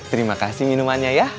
terima kasih minumannya ya